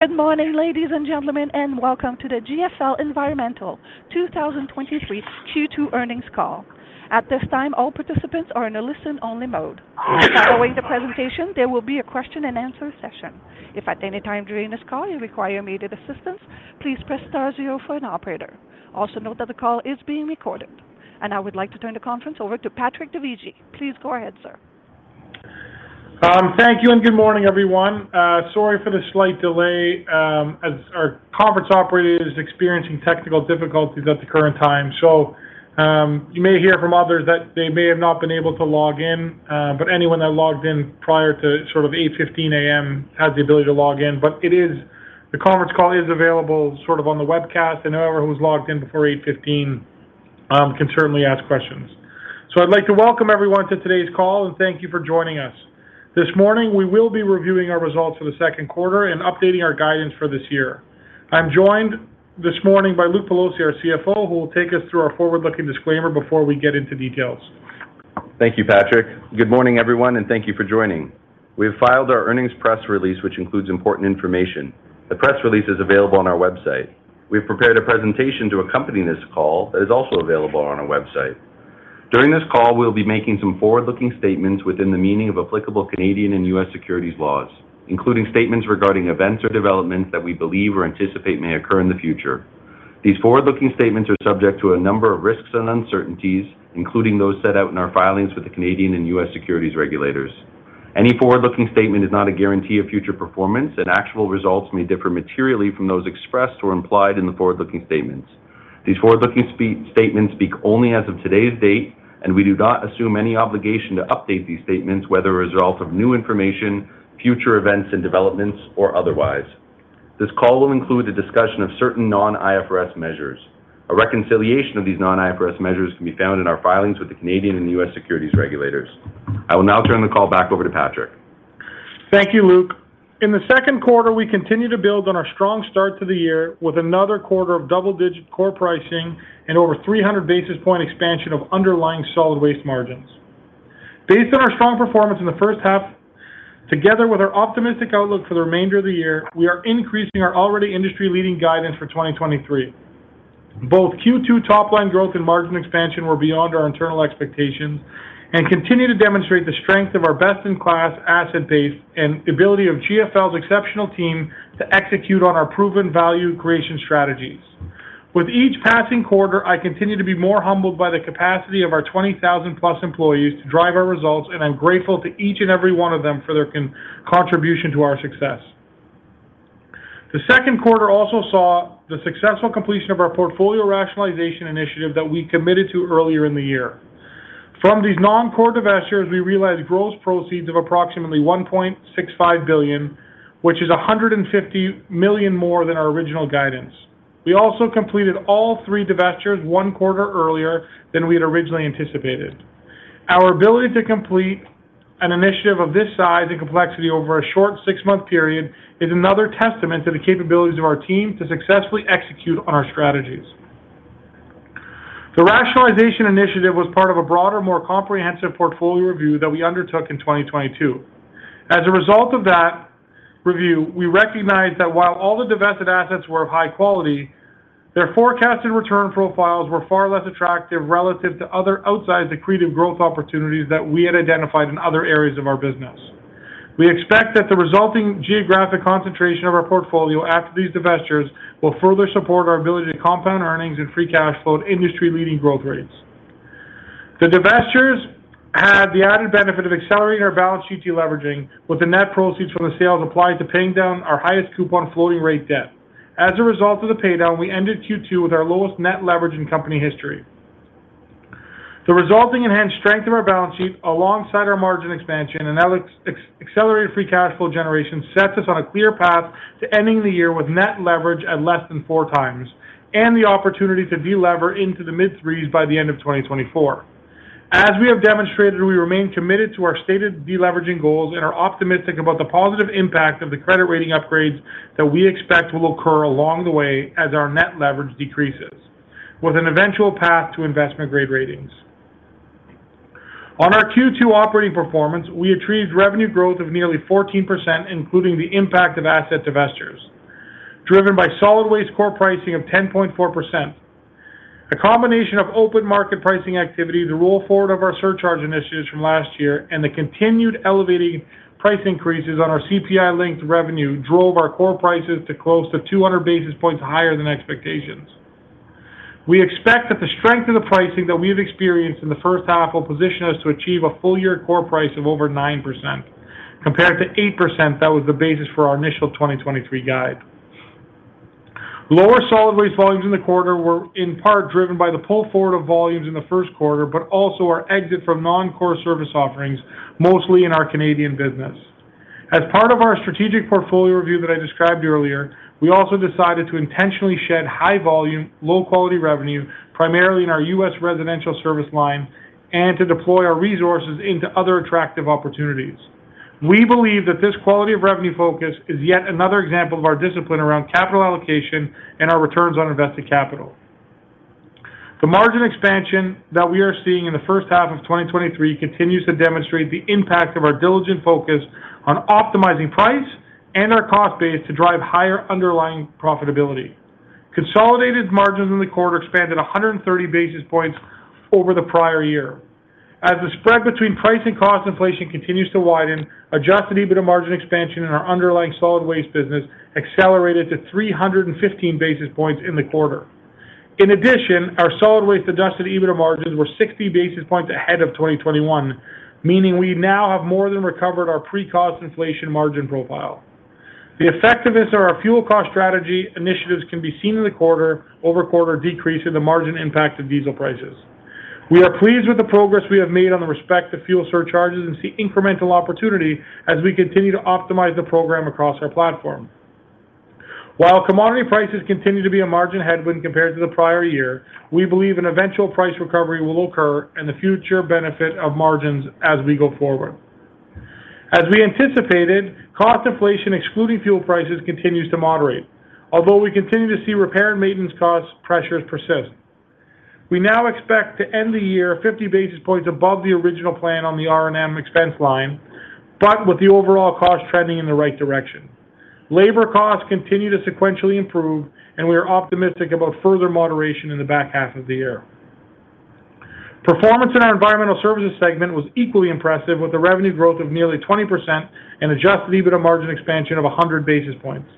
Good morning, ladies and gentlemen, and welcome to the GFL Environmental 2023 Q2 earnings call. At this time, all participants are in a listen-only mode. Following the presentation, there will be a question-and-answer session. If at any time during this call you require immediate assistance, please press star zero for an operator. Also, note that the call is being recorded. I would like to turn the conference over to Patrick Dovigi. Please go ahead, sir. Thank you, good morning, everyone. Sorry for the slight delay, as our conference operator is experiencing technical difficulties at the current time. You may hear from others that they may have not been able to log in, but anyone that logged in prior to sort of 8:15 A.M. has the ability to log in. The conference call is available sort of on the webcast, and whoever was logged in before 8:15 can certainly ask questions. I'd like to welcome everyone to today's call and thank you for joining us. This morning, we will be reviewing our results for the second quarter and updating our guidance for this year. I'm joined this morning by Luke Pelosi, our CFO, who will take us through our forward-looking disclaimer before we get into details. Thank you, Patrick. Good morning, everyone, and thank you for joining. We have filed our earnings press release, which includes important information. The press release is available on our website. We've prepared a presentation to accompany this call that is also available on our website. During this call, we'll be making some forward-looking statements within the meaning of applicable Canadian and U.S. securities laws, including statements regarding events or developments that we believe or anticipate may occur in the future. These forward-looking statements are subject to a number of risks and uncertainties, including those set out in our filings with the Canadian and U.S. securities regulators. Any forward-looking statement is not a guarantee of future performance. Actual results may differ materially from those expressed or implied in the forward-looking statements. These forward-looking statements speak only as of today's date, and we do not assume any obligation to update these statements, whether a result of new information, future events and developments, or otherwise. This call will include a discussion of certain non-IFRS measures. A reconciliation of these non-IFRS measures can be found in our filings with the Canadian and U.S. securities regulators. I will now turn the call back over to Patrick. Thank you, Luke. In the second quarter, we continued to build on our strong start to the year with another quarter of double-digit core pricing and over 300 basis point expansion of underlying solid waste margins. Based on our strong performance in the first half, together with our optimistic outlook for the remainder of the year, we are increasing our already industry-leading guidance for 2023. Both Q2 top-line growth and margin expansion were beyond our internal expectations and continue to demonstrate the strength of our best-in-class asset base and the ability of GFL's exceptional team to execute on our proven value creation strategies. With each passing quarter, I continue to be more humbled by the capacity of our 20,000+ employees to drive our results, and I'm grateful to each and every one of them for their contribution to our success. The second quarter also saw the successful completion of our portfolio rationalization initiative that we committed to earlier in the year. From these non-core divestitures, we realized gross proceeds of approximately $1.65 billion, which is $150 million more than our original guidance. We also completed all three divestitures one quarter earlier than we had originally anticipated. Our ability to complete an initiative of this size and complexity over a short six-month period is another testament to the capabilities of our team to successfully execute on our strategies. The rationalization initiative was part of a broader, more comprehensive portfolio review that we undertook in 2022. As a result of that review, we recognized that while all the divested assets were of high quality, their forecasted return profiles were far less attractive relative to other outside accretive growth opportunities that we had identified in other areas of our business. We expect that the resulting geographic concentration of our portfolio after these divestitures will further support our ability to compound earnings and free cash flow at industry-leading growth rates. The divestitures had the added benefit of accelerating our balance sheet deleveraging, with the net proceeds from the sales applied to paying down our highest coupon floating-rate debt. As a result of the paydown, we ended Q2 with our lowest net leverage in company history. The resulting enhanced strength of our balance sheet, alongside our margin expansion and accelerated free cash flow generation, sets us on a clear path to ending the year with net leverage at less than 4x and the opportunity to de-lever into the mid-threes by the end of 2024. As we have demonstrated, we remain committed to our stated deleveraging goals and are optimistic about the positive impact of the credit rating upgrades that we expect will occur along the way as our net leverage decreases, with an eventual path to investment-grade ratings. On our Q2 operating performance, we achieved revenue growth of nearly 14%, including the impact of asset divestitures, driven by solid waste core pricing of 10.4%. A combination of open market pricing activity, the roll forward of our surcharge initiatives from last year, and the continued elevating price increases on our CPI-linked revenue drove our core prices to close to 200 basis points higher than expectations. We expect that the strength of the pricing that we've experienced in the first half will position us to achieve a full-year core price of over 9%, compared to 8% that was the basis for our initial 2023 guide. Lower solid waste volumes in the quarter were in part driven by the pull forward of volumes in the first quarter, but also our exit from non-core service offerings, mostly in our Canadian business. As part of our strategic portfolio review that I described earlier, we also decided to intentionally shed high-volume, low-quality revenue, primarily in our U.S. residential service line, and to deploy our resources into other attractive opportunities. We believe that this quality of revenue focus is yet another example of our discipline around capital allocation and our returns on invested capital. The margin expansion that we are seeing in the first half of 2023 continues to demonstrate the impact of our diligent focus on optimizing price and our cost base to drive higher underlying profitability. Consolidated margins in the quarter expanded 130 basis points over the prior year. The spread between price and cost inflation continues to widen, adjusted EBITDA margin expansion in our underlying solid waste business accelerated to 315 basis points in the quarter. In addition, our solid waste adjusted EBITDA margins were 60 basis points ahead of 2021, meaning we now have more than recovered our pre-cost inflation margin profile. The effectiveness of our fuel cost strategy initiatives can be seen in the quarter-over-quarter decrease in the margin impact of diesel prices. We are pleased with the progress we have made on the respect to fuel surcharges and see incremental opportunity as we continue to optimize the program across our platform. While commodity prices continue to be a margin headwind compared to the prior year, we believe an eventual price recovery will occur and the future benefit of margins as we go forward. As we anticipated, cost inflation, excluding fuel prices, continues to moderate, although we continue to see repair and maintenance cost pressures persist. We now expect to end the year 50 basis points above the original plan on the R&M expense line, with the overall cost trending in the right direction. Labor costs continue to sequentially improve and we are optimistic about further moderation in the back half of the year. Performance in our environmental services segment was equally impressive, with a revenue growth of nearly 20% and adjusted EBITDA margin expansion of 100 basis points.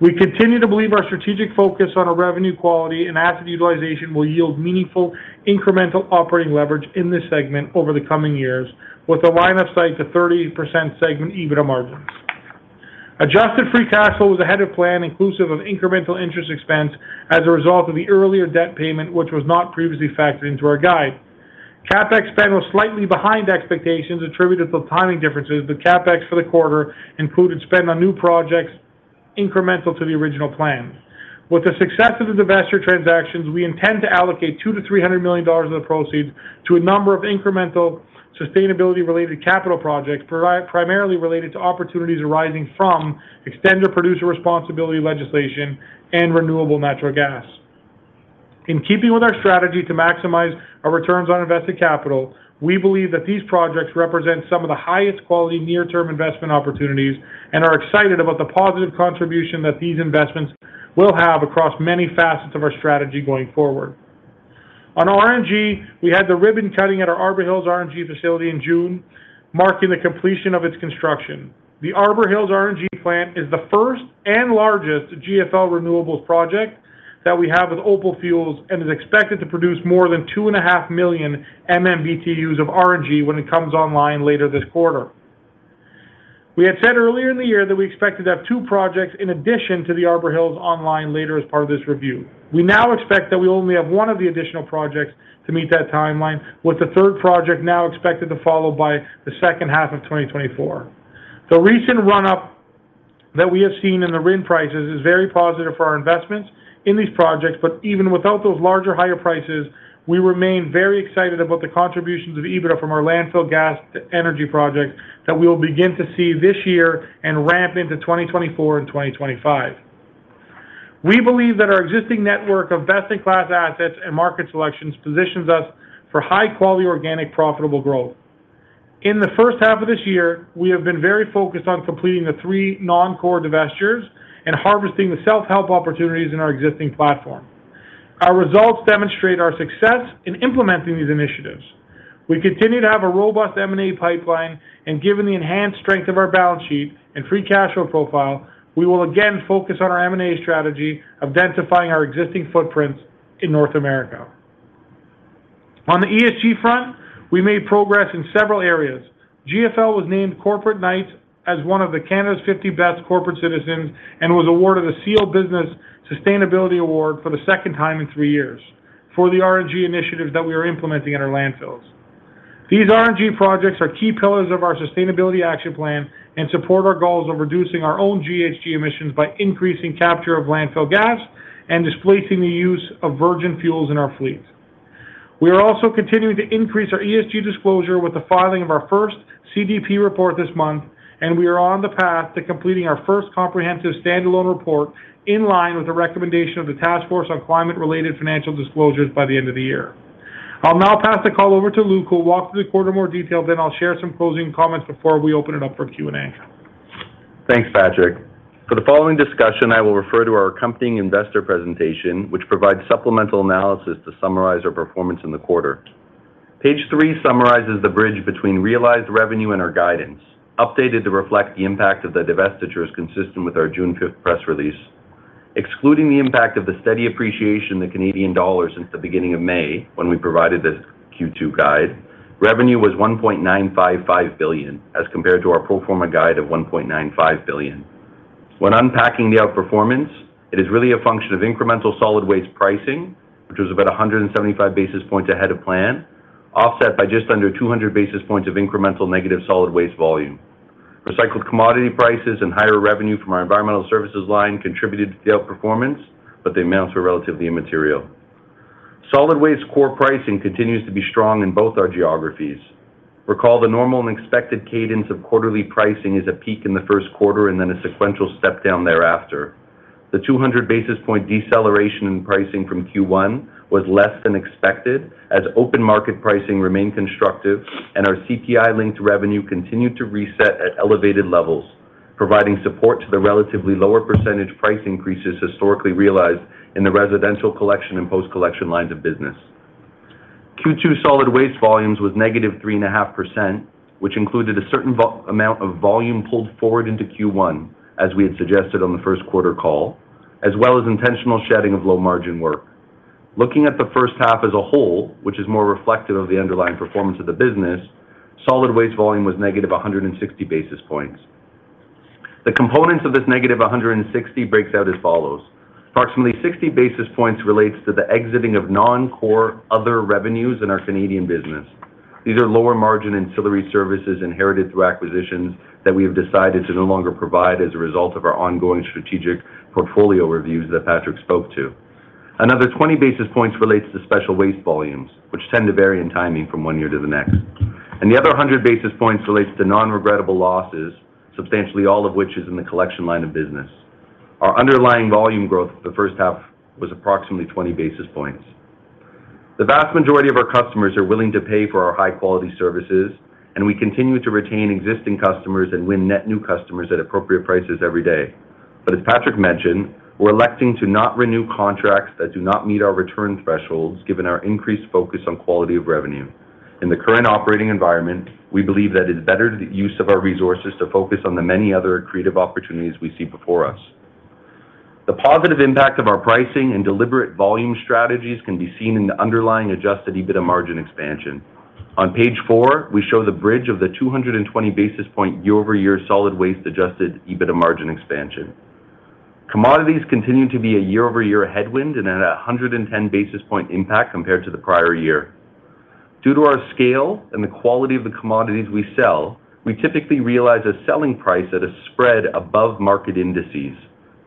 We continue to believe our strategic focus on our revenue quality and asset utilization will yield meaningful incremental operating leverage in this segment over the coming years, with a line of sight to 30% segment EBITDA margins. Adjusted free cash flow was ahead of plan, inclusive of incremental interest expense as a result of the earlier debt payment, which was not previously factored into our guide. CapEx spend was slightly behind expectations, attributed to timing differences, but CapEx for the quarter included spend on new projects incremental to the original plan. With the success of the divestiture transactions, we intend to allocate $200 million-$300 million of the proceeds to a number of incremental sustainability-related capital projects, primarily related to opportunities arising from extended producer responsibility legislation and renewable natural gas. In keeping with our strategy to maximize our returns on invested capital, we believe that these projects represent some of the highest quality near-term investment opportunities and are excited about the positive contribution that these investments will have across many facets of our strategy going forward. On RNG, we had the ribbon cutting at our Arbor Hills RNG facility in June, marking the completion of its construction. The Arbor Hills RNG plant is the first and largest GFL Renewables project that we have with OPAL Fuels and is expected to produce more than 2.5 million MMBtus of RNG when it comes online later this quarter. We had said earlier in the year that we expected to have two projects in addition to the Arbor Hills online later as part of this review. We now expect that we only have one of the additional projects to meet that timeline, with the third project now expected to follow by the second half of 2024. The recent run-up that we have seen in the RIN prices is very positive for our investments in these projects. Even without those larger, higher prices, we remain very excited about the contributions of EBITDA from our landfill gas-to-energy projects that we will begin to see this year and ramp into 2024 and 2025. We believe that our existing network of best-in-class assets and market selections positions us for high-quality, organic, profitable growth. In the first half of this year, we have been very focused on completing the three non-core divestitures and harvesting the self-help opportunities in our existing platform. Our results demonstrate our success in implementing these initiatives. We continue to have a robust M&A pipeline and given the enhanced strength of our balance sheet and free cash flow profile, we will again focus on our M&A strategy of identifying our existing footprints in North America. On the ESG front, we made progress in several areas. GFL was named Corporate Knights as one of the Canada's 50 Best Corporate Citizens and was awarded a SEAL Business Sustainability Award for the second time in three years for the RNG initiatives that we are implementing in our landfills. These RNG projects are key pillars of our sustainability action plan and support our goals of reducing our own GHG emissions by increasing capture of landfill gas and displacing the use of virgin fuels in our fleet. We are also continuing to increase our ESG disclosure with the filing of our first CDP report this month, and we are on the path to completing our first comprehensive standalone report in line with the recommendation of the Task Force on Climate-Related Financial Disclosures by the end of the year. I'll now pass the call over to Luke, who will walk through the quarter in more detail, then I'll share some closing comments before we open it up for Q&A. Thanks, Patrick. For the following discussion, I will refer to our accompanying investor presentation, which provides supplemental analysis to summarize our performance in the quarter. Page three summarizes the bridge between realized revenue and our guidance, updated to reflect the impact of the divestitures consistent with our June 5th press release. Excluding the impact of the steady appreciation in the Canadian dollar since the beginning of May, when we provided this Q2 guide, revenue was 1.955 billion, as compared to our pro forma guide of 1.95 billion. When unpacking the outperformance, it is really a function of incremental solid waste pricing, which was about 175 basis points ahead of plan, offset by just under 200 basis points of incremental negative solid waste volume. Recycled commodity prices and higher revenue from our environmental services line contributed to the outperformance, they amount to relatively immaterial. Solid waste core pricing continues to be strong in both our geographies. Recall the normal and expected cadence of quarterly pricing is a peak in the first quarter, then a sequential step down thereafter. The 200 basis point deceleration in pricing from Q1 was less than expected, as open market pricing remained constructive and our CPI-linked revenue continued to reset at elevated levels, providing support to the relatively lower percentage price increases historically realized in the residential collection and post-collection lines of business. Q2 solid waste volumes was -3.5%, which included a certain amount of volume pulled forward into Q1, as we had suggested on the first quarter call, as well as intentional shedding of low-margin work. Looking at the first half as a whole, which is more reflective of the underlying performance of the business, solid waste volume was -160 basis points. The components of this -160 breaks out as follows: approximately 60 basis points relates to the exiting of non-core other revenues in our Canadian business. These are lower-margin ancillary services inherited through acquisitions that we have decided to no longer provide as a result of our ongoing strategic portfolio reviews that Patrick spoke to. Another 20 basis points relates to special waste volumes, which tend to vary in timing from one year to the next. The other 100 basis points relates to non-regrettable losses, substantially all of which is in the collection line of business. Our underlying volume growth for the first half was approximately 20 basis points. The vast majority of our customers are willing to pay for our high-quality services, and we continue to retain existing customers and win net new customers at appropriate prices every day. As Patrick mentioned, we're electing to not renew contracts that do not meet our return thresholds, given our increased focus on quality of revenue. In the current operating environment, we believe that it's better to use of our resources to focus on the many other accretive opportunities we see before us. The positive impact of our pricing and deliberate volume strategies can be seen in the underlying adjusted EBITDA margin expansion. On page four, we show the bridge of the 220 basis points year-over-year solid waste adjusted EBITDA margin expansion. Commodities continue to be a year-over-year headwind and at a 110 basis points impact compared to the prior year. Due to our scale and the quality of the commodities we sell, we typically realize a selling price at a spread above market indices.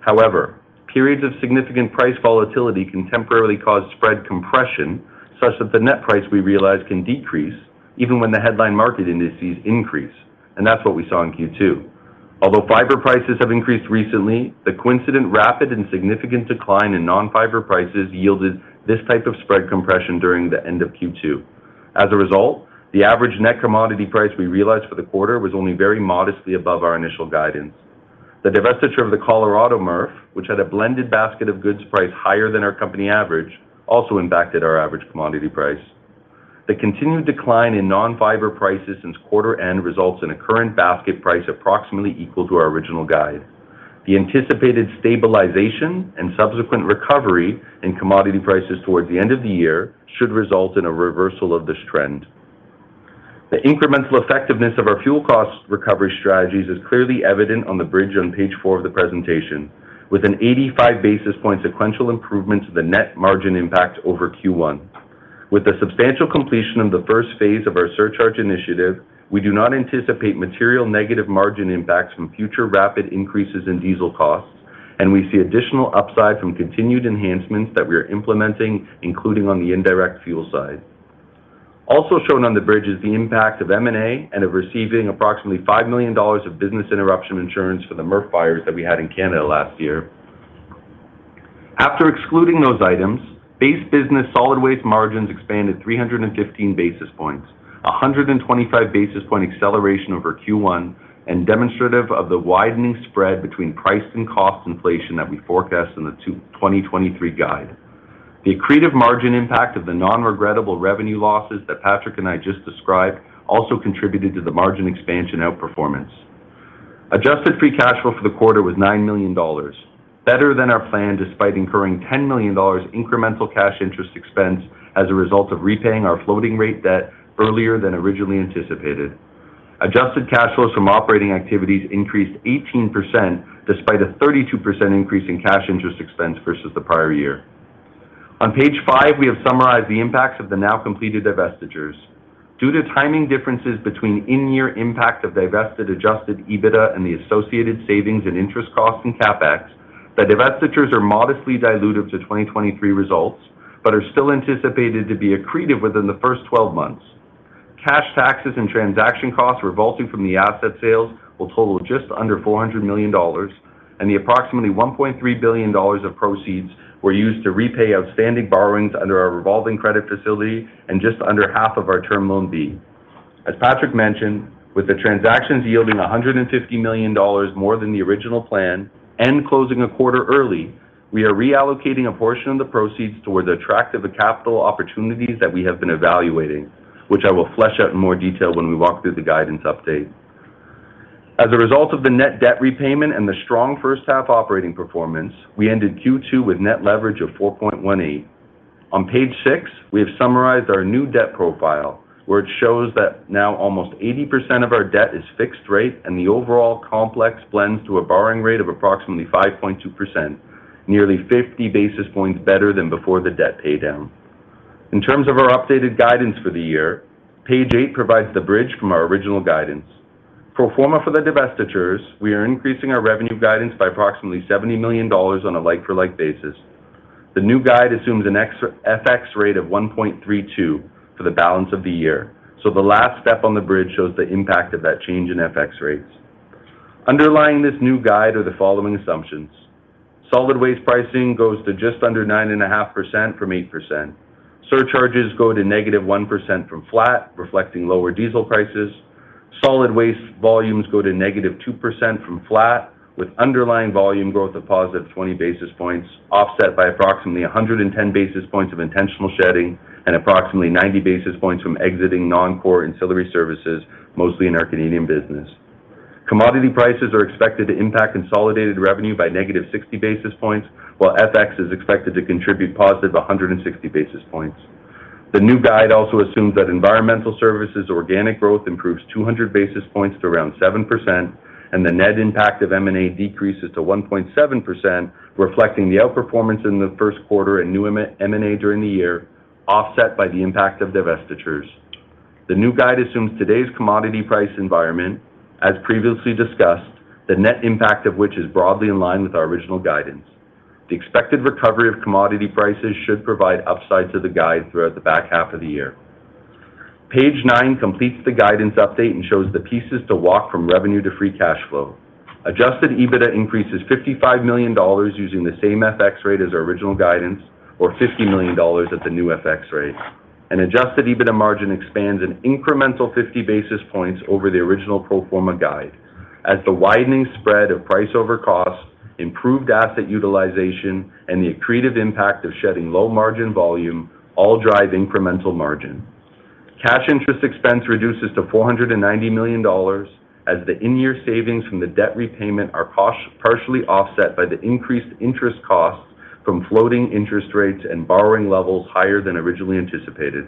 However, periods of significant price volatility can temporarily cause spread compression, such that the net price we realize can decrease, even when the headline market indices increase, and that's what we saw in Q2. Although fiber prices have increased recently, the coincident rapid and significant decline in non-fiber prices yielded this type of spread compression during the end of Q2. As a result, the average net commodity price we realized for the quarter was only very modestly above our initial guidance. The divestiture of the Colorado MRF, which had a blended basket of goods price higher than our company average, also impacted our average commodity price. The continued decline in non-fiber prices since quarter end results in a current basket price approximately equal to our original guide. The anticipated stabilization and subsequent recovery in commodity prices towards the end of the year should result in a reversal of this trend. The incremental effectiveness of our fuel cost recovery strategies is clearly evident on the bridge on page four of the presentation, with an 85-basis point sequential improvement to the net margin impact over Q1. With the substantial completion of the first phase of our surcharge initiative, we do not anticipate material negative margin impacts from future rapid increases in diesel costs, and we see additional upside from continued enhancements that we are implementing, including on the indirect fuel side. Shown on the bridge is the impact of M&A and of receiving approximately $5 million of business interruption insurance for the MRF fires that we had in Canada last year. After excluding those items, base business solid waste margins expanded 315 basis points, 125 basis point acceleration over Q1, and demonstrative of the widening spread between price and cost inflation that we forecast in the 2023 guide. The accretive margin impact of the non-regrettable revenue losses that Patrick and I just described also contributed to the margin expansion outperformance. Adjusted free cash flow for the quarter was $9 million. Better than our plan, despite incurring $10 million incremental cash interest expense as a result of repaying our floating rate debt earlier than originally anticipated. Adjusted cash flows from operating activities increased 18%, despite a 32% increase in cash interest expense versus the prior year. On page five, we have summarized the impacts of the now completed divestitures. Due to timing differences between in-year impact of divested adjusted EBITDA and the associated savings and interest costs and CapEx, the divestitures are modestly dilutive to 2023 results but are still anticipated to be accretive within the first 12 months. Cash taxes and transaction costs revolving from the asset sales will total just under $400 million, and the approximately $1.3 billion of proceeds were used to repay outstanding borrowings under our revolving credit facility and just under half of our term loan B. As Patrick mentioned, with the transactions yielding $150 million more than the original plan and closing a quarter early, we are reallocating a portion of the proceeds towards attractive capital opportunities that we have been evaluating, which I will flesh out in more detail when we walk through the guidance update. As a result of the net debt repayment and the strong first half operating performance, we ended Q2 with net leverage of 4.18. On page six, we have summarized our new debt profile, where it shows that now almost 80% of our debt is fixed rate, and the overall complex blends to a borrowing rate of approximately 5.2%, nearly 50 basis points better than before the debt paydown. In terms of our updated guidance for the year, page eight provides the bridge from our original guidance. Pro forma for the divestitures, we are increasing our revenue guidance by approximately $70 million on a like-for-like basis. The new guide assumes an ex- FX rate of 1.32 for the balance of the year. The last step on the bridge shows the impact of that change in FX rates. Underlying this new guide are the following assumptions: Solid waste pricing goes to just under 9.5% from 8%. Surcharges go to -1% from flat, reflecting lower diesel prices. Solid waste volumes go to -2% from flat, with underlying volume growth of +20 basis points, offset by approximately 110 basis points of intentional shedding and approximately 90 basis points from exiting non-core ancillary services, mostly in our Canadian business. Commodity prices are expected to impact consolidated revenue by negative 60 basis points, while FX is expected to contribute positive 160 basis points. The new guide also assumes that environmental services organic growth improves 200 basis points to around 7%, and the net impact of M&A decreases to 1.7%, reflecting the outperformance in the first quarter and new M&A during the year, offset by the impact of divestitures. The new guide assumes today's commodity price environment, as previously discussed, the net impact of which is broadly in line with our original guidance. The expected recovery of commodity prices should provide upside to the guide throughout the back half of the year. Page nine completes the guidance update and shows the pieces to walk from revenue to free cash flow. Adjusted EBITDA increases $55 million using the same FX rate as our original guidance, or $50 million at the new FX rate, and adjusted EBITDA margin expands an incremental 50 basis points over the original pro forma guide. As the widening spread of price over cost, improved asset utilization, and the accretive impact of shedding low-margin volume, all drive incremental margin. Cash interest expense reduces to $490 million, as the in-year savings from the debt repayment are partially offset by the increased interest costs from floating interest rates and borrowing levels higher than originally anticipated.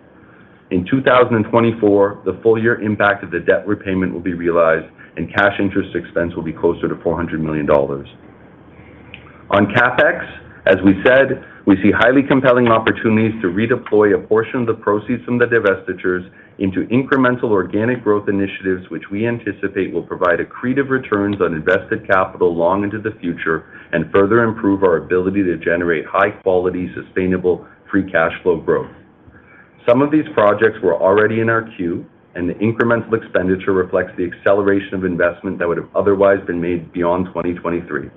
In 2024, the full year impact of the debt repayment will be realized, and cash interest expense will be closer to $400 million. On CapEx, as we said, we see highly compelling opportunities to redeploy a portion of the proceeds from the divestitures into incremental organic growth initiatives, which we anticipate will provide accretive returns on invested capital long into the future and further improve our ability to generate high-quality, sustainable, free cash flow growth. Some of these projects were already in our queue, and the incremental expenditure reflects the acceleration of investment that would have otherwise been made beyond 2023.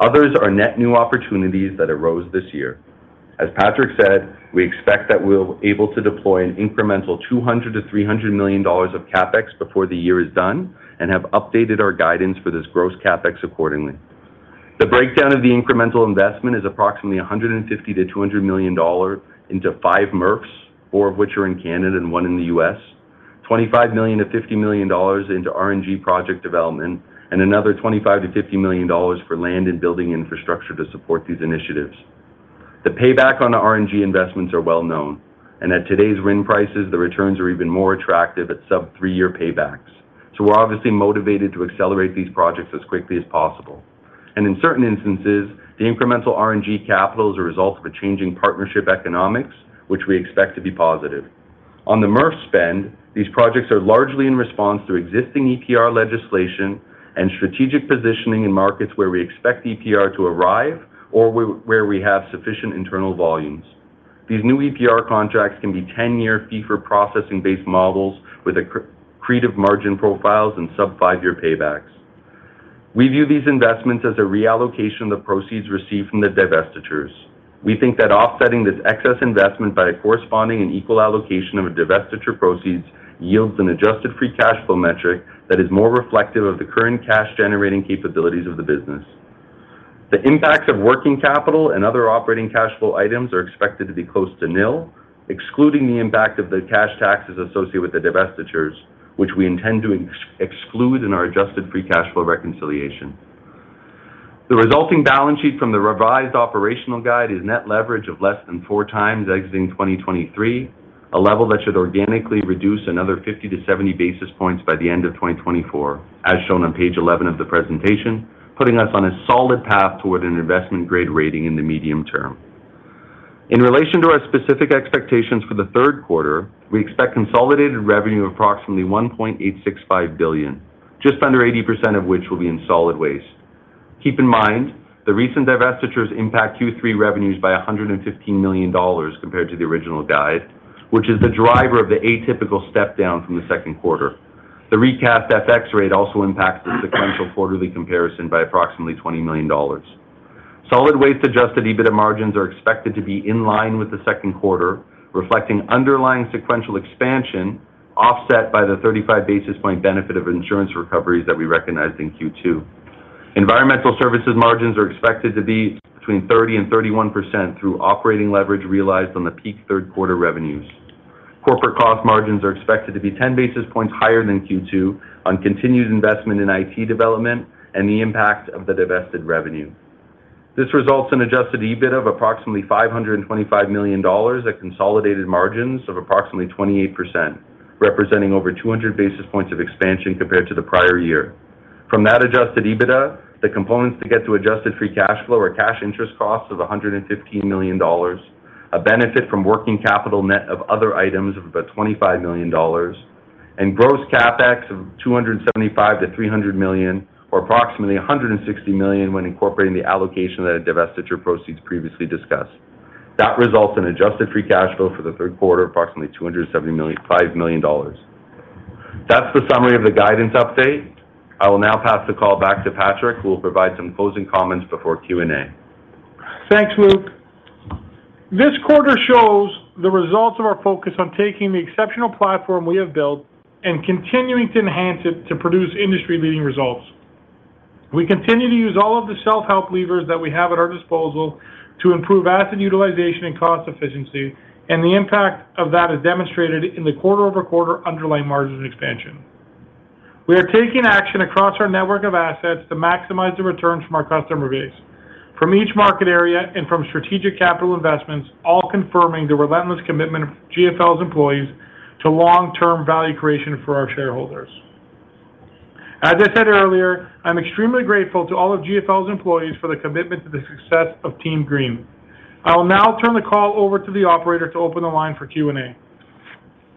Others are net new opportunities that arose this year. As Patrick said, we expect that we'll able to deploy an incremental $200 million-$300 million of CapEx before the year is done and have updated our guidance for this gross CapEx accordingly. The breakdown of the incremental investment is approximately $150 million-$200 million into five MRFs, four of which are in Canada and one in the U.S., $25 million-$50 million into RNG project development, and another $25 million-$50 million for land and building infrastructure to support these initiatives. The payback on the RNG investments are well known, and at today's RIN prices, the returns are even more attractive at sub-three-year paybacks. We're obviously motivated to accelerate these projects as quickly as possible. In certain instances, the incremental RNG capital is a result of a changing partnership economics, which we expect to be positive. On the MRF spend, these projects are largely in response to existing EPR legislation and strategic positioning in markets where we expect EPR to arrive or where we have sufficient internal volumes. These new EPR contracts can be 10-year fee-for-processing-based models with accretive margin profiles and sub-five-year paybacks. We view these investments as a reallocation of the proceeds received from the divestitures. We think that offsetting this excess investment by a corresponding and equal allocation of a divestiture proceeds yields an adjusted free cash flow metric that is more reflective of the current cash-generating capabilities of the business. The impacts of working capital and other operating cash flow items are expected to be close to nil, excluding the impact of the cash taxes associated with the divestitures, which we intend to exclude in our adjusted free cash flow reconciliation. The resulting balance sheet from the revised operational guide is net leverage of less than 4x exiting 2023, a level that should organically reduce another 50 to 70 basis points by the end of 2024, as shown on page 11 of the presentation, putting us on a solid path toward an investment-grade rating in the medium term. In relation to our specific expectations for the third quarter, we expect consolidated revenue of approximately $1.865 billion, just under 80% of which will be in solid waste. Keep in mind, the recent divestitures impact Q3 revenues by $115 million compared to the original guide, which is the driver of the atypical step down from the second quarter. The recast FX rate also impacts the sequential quarterly comparison by approximately $20 million. Solid waste adjusted EBITDA margins are expected to be in line with the second quarter, reflecting underlying sequential expansion, offset by the 35-basis point benefit of insurance recoveries that we recognized in Q2. Environmental services margins are expected to be between 30% and 31% through operating leverage realized on the peak third quarter revenues. Corporate cost margins are expected to be 10 basis points higher than Q2 on continued investment in IT development and the impact of the divested revenue. This results in adjusted EBITDA of approximately $525 million at consolidated margins of approximately 28%, representing over 200 basis points of expansion compared to the prior year. From that adjusted EBITDA, the components to get to adjusted free cash flow are cash interest costs of $115 million, a benefit from working capital net of other items of about $25 million, and gross CapEx of $275 million-$300 million, or approximately $160 million when incorporating the allocation of that divestiture proceeds previously discussed. That results in adjusted free cash flow for the third quarter, approximately $275 million. That's the summary of the guidance update. I will now pass the call back to Patrick, who will provide some closing comments before Q&A. Thanks, Luke. This quarter shows the results of our focus on taking the exceptional platform we have built and continuing to enhance it to produce industry-leading results. We continue to use all of the self-help levers that we have at our disposal to improve asset utilization and cost efficiency. The impact of that is demonstrated in the quarter-over-quarter underlying margins expansion. We are taking action across our network of assets to maximize the return from our customer base, from each market area and from strategic capital investments, all confirming the relentless commitment of GFL's employees to long-term value creation for our shareholders. As I said earlier, I'm extremely grateful to all of GFL's employees for their commitment to the success of Team Green. I will now turn the call over to the operator to open the line for Q&A.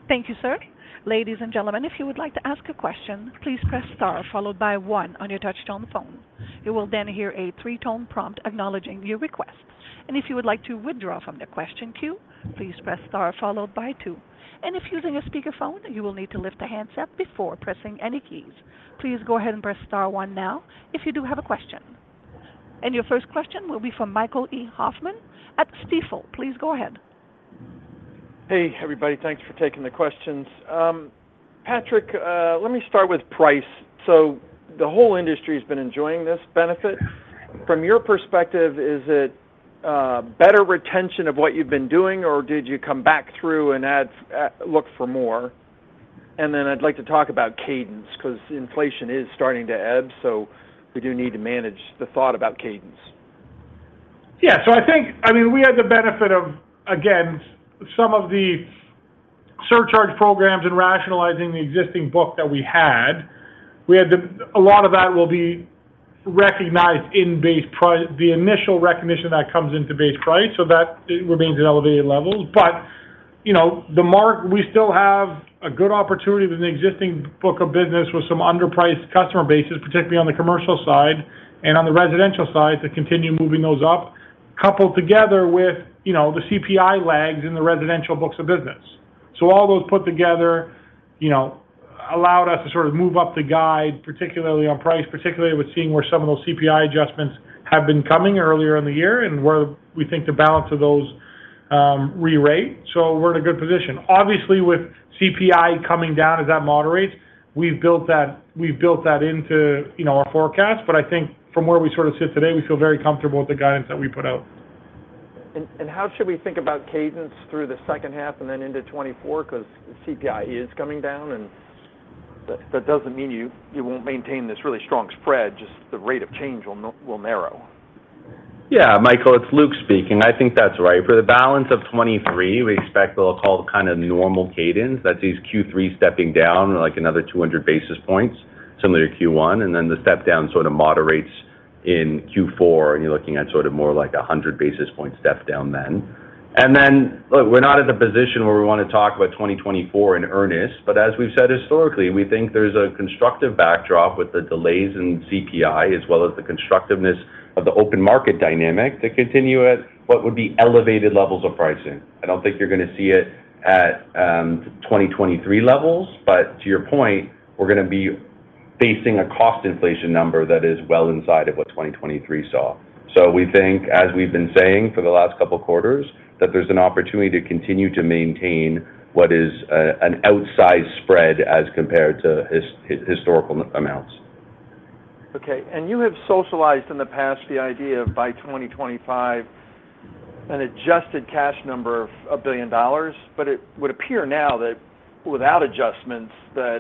Thank you, sir. Ladies and gentlemen, if you would like to ask a question, please press star followed by one on your touch-tone phone. You will then hear a three-tone prompt acknowledging your request. If you would like to withdraw from the question queue, please press star followed by two. If using a speakerphone, you will need to lift the handset before pressing any keys. Please go ahead and press star one now if you do have a question. Your first question will be from Michael E. Hoffman at Stifel. Please go ahead. Hey, everybody, thanks for taking the questions. Patrick, let me start with price. The whole industry has been enjoying this benefit. From your perspective, is it better retention of what you've been doing, or did you come back through and add, look for more? I'd like to talk about cadence, because inflation is starting to ebb, so we do need to manage the thought about cadence. Yeah. I mean, we had the benefit of, again, some of the surcharge programs and rationalizing the existing book that we had. A lot of that will be recognized in base price, the initial recognition that comes into base price, so that it remains at elevated levels. You know, the mark, we still have a good opportunity with an existing book of business with some underpriced customer bases, particularly on the commercial side and on the residential side, to continue moving those up, coupled together with, you know, the CPI lags in the residential books of business. All those put together, you know, allowed us to sort of move up the guide, particularly on price, particularly with seeing where some of those CPI adjustments have been coming earlier in the year and where we think the balance of those re-rate. We're in a good position. Obviously, with CPI coming down as that moderates, we've built that into, you know, our forecast, but I think from where we sort of sit today, we feel very comfortable with the guidance that we put out. How should we think about cadence through the second half and then into 2024? Because CPI is coming down, and that doesn't mean you won't maintain this really strong spread, just the rate of change will narrow. Yeah, Michael, it's Luke speaking. I think that's right. For the balance of 2023, we expect what we'll call the kind of normal cadence. That is Q3 stepping down, like another 200 basis points, similar to Q1, and then the step-down sort of moderates in Q4, and you're looking at sort of more like 100 basis points step down then. Look, we're not at a position where we want to talk about 2024 in earnest, but as we've said historically, we think there's a constructive backdrop with the delays in CPI, as well as the constructiveness of the open market dynamic to continue at what would be elevated levels of pricing. I don't think you're going to see it at 2023 levels, but to your point, we're going to be facing a cost inflation number that is well inside of what 2023 saw. We think, as we've been saying for the last couple of quarters, that there's an opportunity to continue to maintain what is an outsized spread as compared to historical amounts. Okay. You have socialized in the past the idea of by 2025, an adjusted cash number of $1 billion. It would appear now that without adjustments, that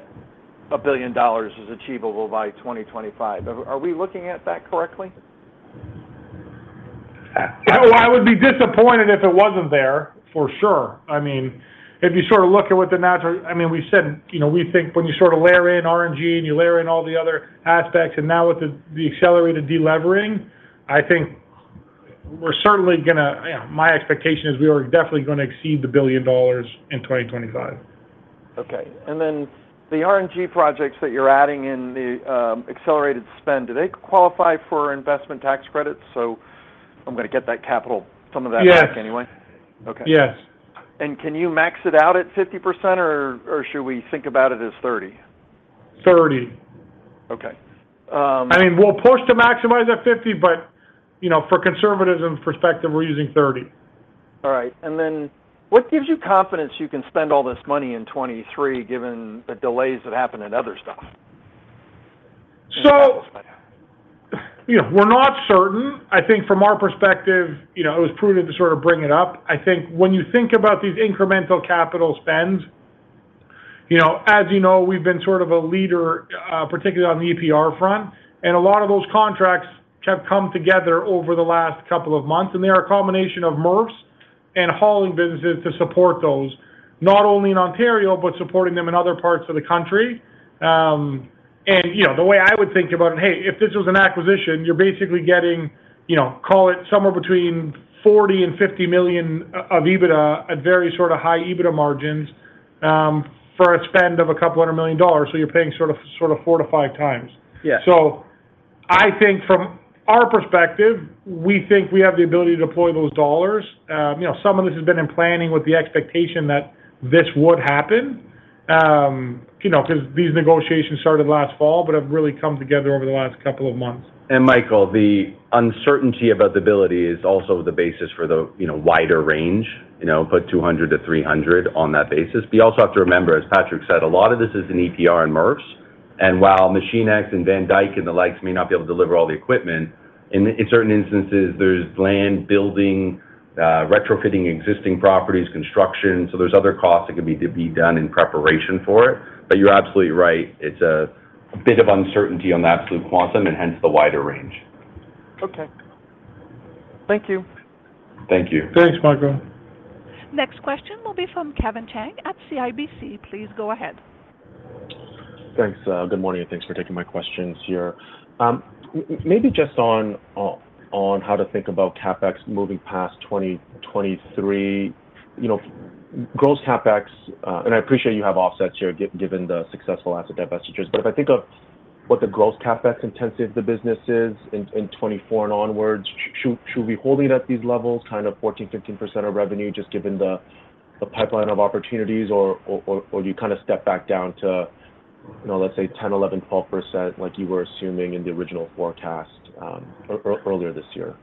$1 billion is achievable by 2025. Are we looking at that correctly? I would be disappointed if it wasn't there, for sure. I mean, we've said, you know, we think when you sort of layer in RNG and you layer in all the other aspects, and now with the, the accelerated delevering. My expectation is we are definitely going to exceed the $1 billion in 2025. Okay. Then the RNG projects that you're adding in the accelerated spend, do they qualify for investment tax credits? I'm going to get that capital, some of that back anyway. Yes. Okay. Yes. Can you max it out at 50%, or should we think about it as 30%? 30%. Okay. I mean, we'll push to maximize at 50%, but, you know, for conservatism perspective, we're using 30%. All right. Then what gives you confidence you can spend all this money in 2023, given the delays that happened in other stuff? You know, we're not certain. I think from our perspective, you know, it was prudent to sort of bring it up. I think when you think about these incremental capital spends, you know, as you know, we've been sort of a leader, particularly on the EPR front, and a lot of those contracts have come together over the last couple of months, and they are a combination of MRFs and hauling businesses to support those, not only in Ontario, but supporting them in other parts of the country. You know, the way I would think about it, hey, if this was an acquisition, you're basically getting, you know, call it somewhere between $40 million and $50 million of EBITDA at very sort of high EBITDA margins for a spend of $200 million. You're paying sort of 4x-5x. Yeah. I think from our perspective, we think we have the ability to deploy those dollars. you know, some of this has been in planning with the expectation that this would happen, you know, because these negotiations started last fall, but have really come together over the last couple of months. Michael, the uncertainty about the ability is also the basis for the, you know, wider range. You know, put $200-$300 on that basis. You also have to remember, as Patrick said, a lot of this is in EPR and MRFs, and while Machinex and Van Dyk and the likes may not be able to deliver all the equipment, in certain instances, there's land building, retrofitting existing properties, construction. There's other costs that can be done in preparation for it, but you're absolutely right. It's a, a bit of uncertainty on the absolute quantum, and hence the wider range. Okay. Thank you. Thank you. Thanks, Michael. Next question will be from Kevin Chiang at CIBC. Please go ahead. Thanks, good morning, and thanks for taking my questions here. Maybe just on, on, on how to think about CapEx moving past 2023. You know, gross CapEx, and I appreciate you have offsets here, given the successful asset divestitures. But if I think of what the gross CapEx intensive the business is in, in 2024 and onwards, should we be holding it at these levels, kind of 14%-15% of revenue, just given the pipeline of opportunities, or do you kind of step back down to, you know, let's say 10%-12%, like you were assuming in the original forecast earlier this year?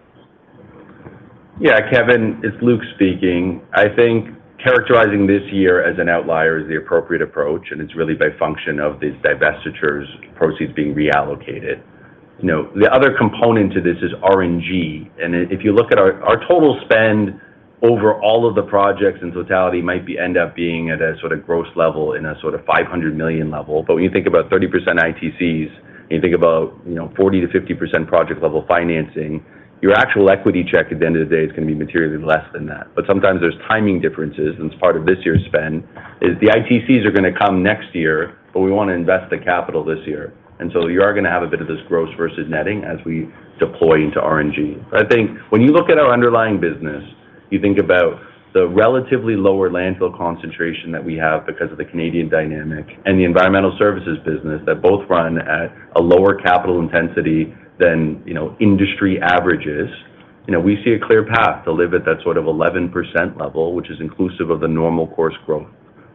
Yeah, Kevin, it's Luke speaking. I think characterizing this year as an outlier is the appropriate approach, and it's really by function of these divestitures proceeds being reallocated. You know, the other component to this is RNG, and if you look at our total spend over all of the projects in totality might be, end up being at a sort of gross level in a sort of $500 million level. When you think about 30% ITCs, and you think about, you know, 40%-50% project-level financing, your actual equity check at the end of the day is going to be materially less than that. Sometimes there's timing differences, and as part of this year's spend is the ITCs are going to come next year, but we want to invest the capital this year. You are going to have a bit of this gross versus netting as we deploy into RNG. I think when you look at our underlying business, you think about the relatively lower landfill concentration that we have because of the Canadian dynamic and the environmental services business that both run at a lower capital intensity than, you know, industry averages. You know, we see a clear path to live at that sort of 11% level, which is inclusive of the normal course growth.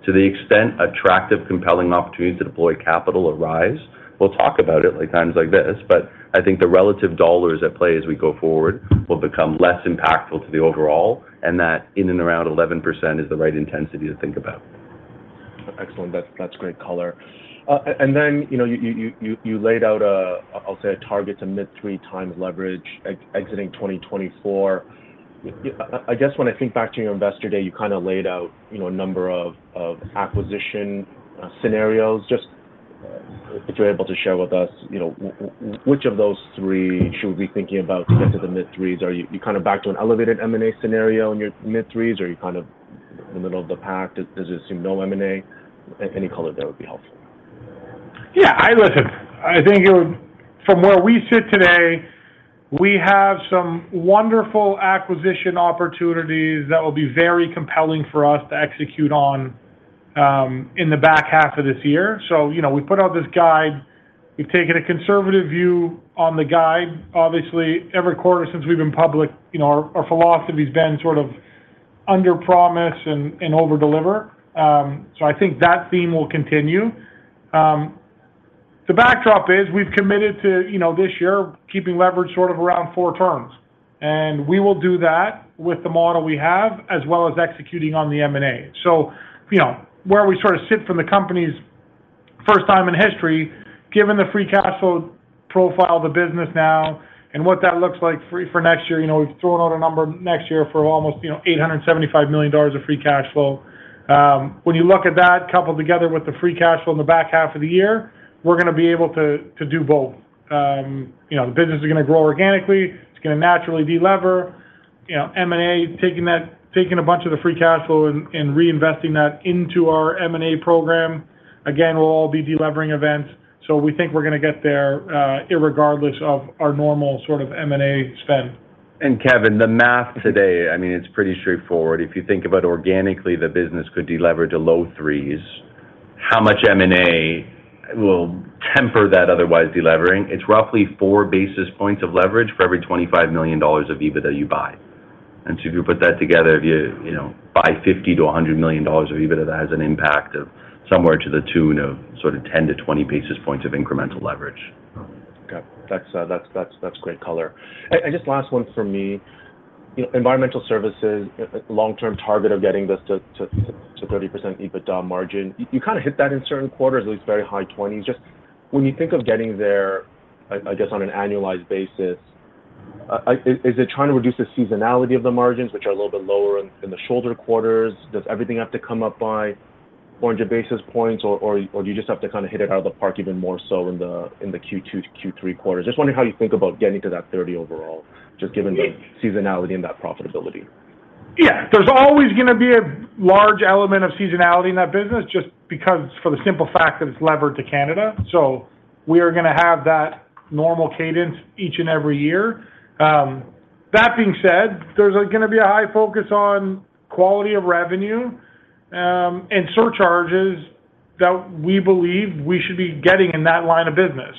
To the extent attractive, compelling opportunities to deploy capital arise, we'll talk about it, like times like this, but I think the relative dollars at play as we go forward will become less impactful to the overall, and that in and around 11% is the right intensity to think about. Excellent. That's great color. And then, you know, you laid out a, I'll say a target to mid 3x leverage, exiting 2024. I guess when I think back to your Investor Day, you kind of laid out, you know, a number of acquisition scenarios. Just if you're able to share with us, you know, which of those three should we be thinking about to get to the mid-threes? Are you kind of back to an elevated M&A scenario in your mid-threes, or you're kind of in the middle of the pack? Does it seem no M&A? Any color there would be helpful. I think from where we sit today, we have some wonderful acquisition opportunities that will be very compelling for us to execute on in the back half of this year. You know, we put out this guide. We've taken a conservative view on the guide. Obviously, every quarter since we've been public, you know, our philosophy has been sort of under promise and overdeliver. I think that theme will continue. The backdrop is, we've committed to, you know, this year, keeping leverage sort of around 4 turns, and we will do that with the model we have, as well as executing on the M&A. You know, where we sort of sit from the company's first time in history, given the free cash flow profile of the business now and what that looks like free for next year, you know, we've thrown out a number next year for almost, you know, $875 million of free cash flow. When you look at that, coupled together with the free cash flow in the back half of the year, we're going to be able to do both. You know, the business is going to grow organically. It's going to naturally de-lever, you know, M&A, taking a bunch of the free cash flow and reinvesting that into our M&A program. Again, we'll all be de-levering events, so we think we're going to get there, irregardless of our normal sort of M&A spend. Kevin, the math today, I mean, it's pretty straightforward. If you think about organically, the business could de-lever to low threes. How much M&A will temper that otherwise de-levering? It's roughly four basis points of leverage for every $25 million of EBITDA you buy. If you put that together, if you, you know, buy $50 million-$100 million of EBITDA, that has an impact of somewhere to the tune of sort of 10-20 basis points of incremental leverage. Okay. That's great color. Just last one for me, environmental services, long-term target of getting this to 30% EBITDA margin, you kind of hit that in certain quarters, at least very high 20s. Just when you think of getting there, I guess on an annualized basis, is it trying to reduce the seasonality of the margins, which are a little bit lower in the shoulder quarters? Does everything have to come by a range basis points or do you just have to kind of hit it out of the park even more so in the Q2 to Q3 quarter? Just wondering how you think about getting to that 30 overall, just given the seasonality and that profitability. There's always going to be a large element of seasonality in that business, just because for the simple fact that it's levered to Canada. We are going to have that normal cadence each and every year. That being said, there's, like, going to be a high focus on quality of revenue and surcharges that we believe we should be getting in that line of business.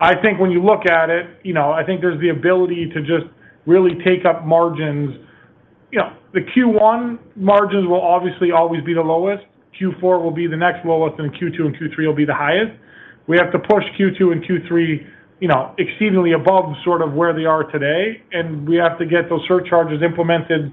I think when you look at it, you know, I think there's the ability to just really take up margins. You know, the Q1 margins will obviously always be the lowest, Q4 will be the next lowest, and Q2 and Q3 will be the highest. We have to push Q2 and Q3, you know, exceedingly above sort of where they are today, and we have to get those surcharges implemented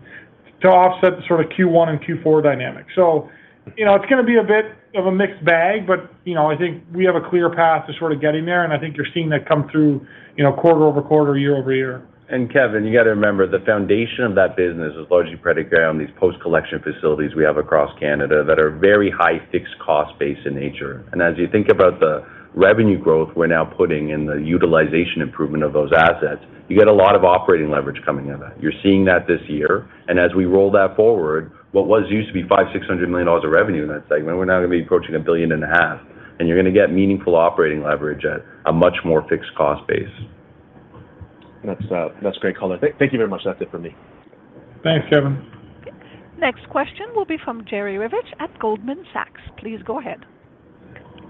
to offset the sort of Q1 and Q4 dynamic. you know, it's going to be a bit of a mixed bag, but, you know, I think we have a clear path to sort of getting there, and I think you're seeing that come through, you know, quarter-over-quarter, year-over-year. Kevin, you got to remember, the foundation of that business is largely credit-grade, these post-collection facilities we have across Canada that are very high fixed cost base in nature. As you think about the revenue growth, we're now putting in the utilization improvement of those assets, you get a lot of operating leverage coming in that. You're seeing that this year, and as we roll that forward, what was used to be $500 million-$600 million of revenue in that segment, we're now going to be approaching $1.5 billion, and you're going to get meaningful operating leverage at a much more fixed cost base. That's great color. Thank you very much. That's it for me. Thanks, Kevin. Next question will be from Jerry Revich at Goldman Sachs. Please go ahead.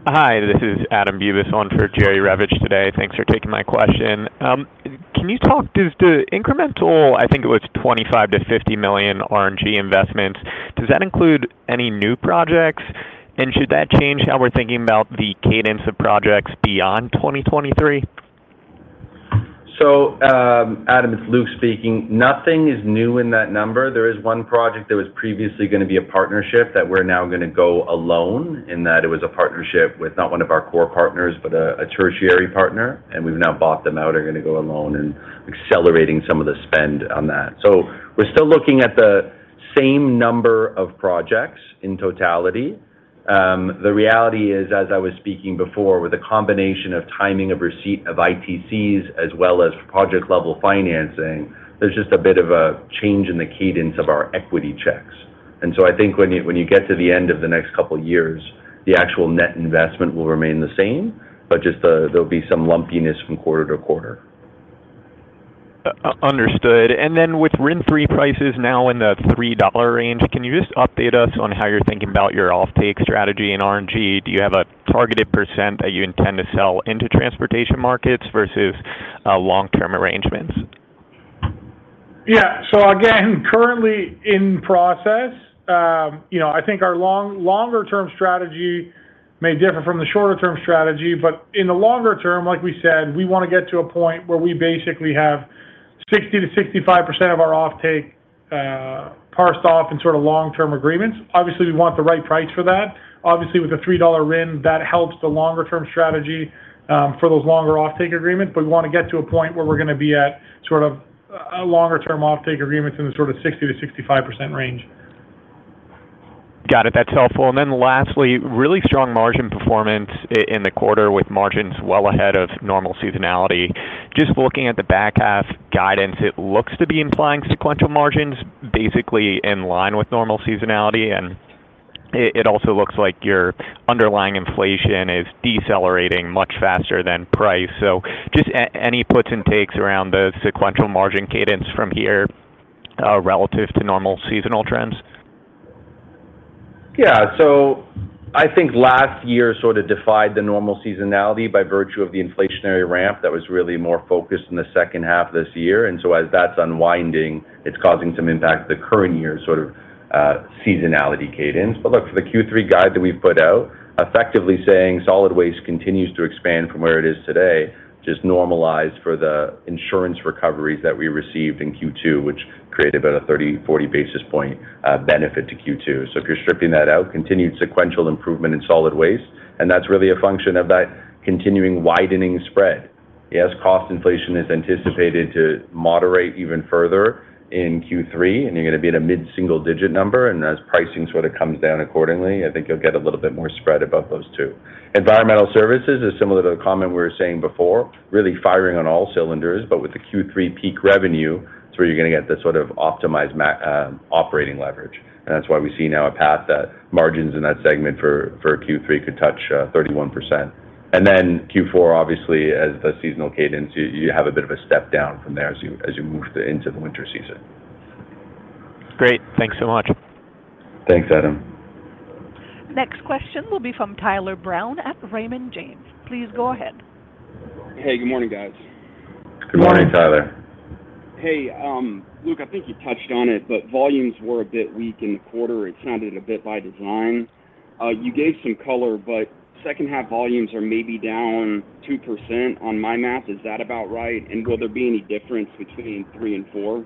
Hi, this is Adam Bubes on for Jerry Revich today. Thanks for taking my question. Does the incremental, I think it was $25 million-$50 million RNG investments, does that include any new projects? Should that change how we're thinking about the cadence of projects beyond 2023? Adam Bubes, it's Luke speaking. Nothing is new in that number. There is one project that was previously going to be a partnership that we're now going to go alone, in that it was a partnership with not one of our core partners, but a tertiary partner, and we've now bought them out. We're going to go alone and accelerating some of the spend on that. We're still looking at the same number of projects in totality. The reality is, as I was speaking before, with a combination of timing of receipt of ITCs as well as project-level financing, there's just a bit of a change in the cadence of our equity checks. I think when you get to the end of the next couple of years, the actual net investment will remain the same, but just there'll be some lumpiness from quarter to quarter. Understood. Then with D3 RIN prices now in the $3 range, can you just update us on how you're thinking about your offtake strategy in RNG? Do you have a targeted % that you intend to sell into transportation markets versus long-term arrangements? Again, currently in process, you know, I think our longer-term strategy may differ from the shorter-term strategy, but in the longer term, like we said, we want to get to a point where we basically have 60%-65% of our offtake parsed off in sort of long-term agreements. Obviously, we want the right price for that. Obviously, with a $3 RIN, that helps the longer-term strategy for those longer offtake agreements, but we want to get to a point where we're going to be at sort of a longer-term offtake agreement in the sort of 60%-65% range. Got it. That's helpful. Lastly, really strong margin performance in the quarter, with margins well ahead of normal seasonality. Just looking at the back half guidance, it looks to be implying sequential margins, basically in line with normal seasonality, and it also looks like your underlying inflation is decelerating much faster than price. Just any puts and takes around the sequential margin cadence from here, relative to normal seasonal trends? Yeah. I think last year sort of defied the normal seasonality by virtue of the inflationary ramp that was really more focused in the second half of this year. As that's unwinding, it's causing some impact to the current year sort of seasonality cadence. Look, for the Q3 guide that we've put out, effectively saying solid waste continues to expand from where it is today, just normalized for the insurance recoveries that we received in Q2, which created about a 30, 40 basis point benefit to Q2. If you're stripping that out, continued sequential improvement in solid waste, and that's really a function of that continuing widening spread. Cost inflation is anticipated to moderate even further in Q3, you're going to be in a mid-single-digit number, and as pricing sort of comes down accordingly, I think you'll get a little bit more spread about those two. Environmental services is similar to the comment we were saying before, really firing on all cylinders, but with the Q3 peak revenue, it's where you're going to get the sort of optimized operating leverage. That's why we see now a path that margins in that segment for Q3 could touch 31%. Q4, obviously, as the seasonal cadence, you have a bit of a step down from there as you move into the winter season. Great. Thanks so much. Thanks, Adam. Next question will be from Tyler Brown at Raymond James. Please go ahead. Hey, good morning, guys. Good morning, Tyler. Hey, Luke, I think you touched on it, but volumes were a bit weak in the quarter. It sounded a bit by design. You gave some color, but second half volumes are maybe down 2% on my math. Is that about right? Will there be any difference between three and four?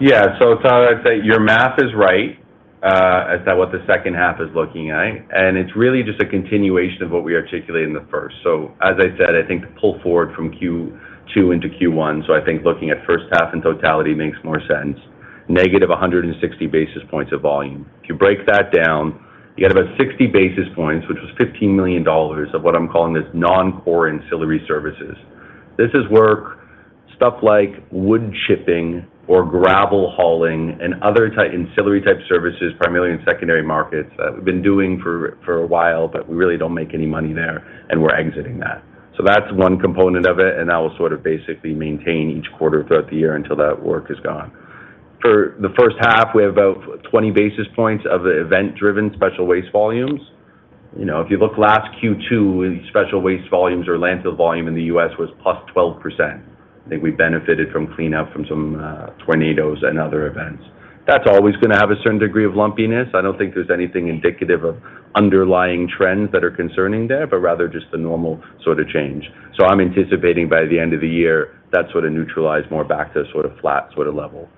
Yeah. Tyler, I'd say your math is right, as that what the second half is looking at, and it's really just a continuation of what we articulated in the first. As I said, I think the pull forward from Q4- two into Q1. I think looking at first half in totality makes more sense. Negative 160 basis points of volume. If you break that down, you get about 60 basis points, which was $15 million of what I'm calling this non-core ancillary services. This is work, stuff like wood chipping or gravel hauling, and other ancillary-type services, primarily in secondary markets, that we've been doing for a while, but we really don't make any money there, and we're exiting that. That's one component of it, and that will sort of basically maintain each quarter throughout the year until that work is gone. For the first half, we have about 20 basis points of event-driven special waste volumes. You know, if you look last Q2, special waste volumes or landfill volume in the U.S. was plus 12%. I think we benefited from cleanup from some tornadoes and other events. That's always going to have a certain degree of lumpiness. I don't think there's anything indicative of underlying trends that are concerning there, but rather just a normal sort of change. I'm anticipating by the end of the year, that's sort of neutralized more back to a sort of flat sort of level.